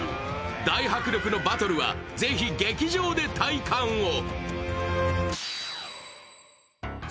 大迫力のバトルはぜひ劇場で体感を！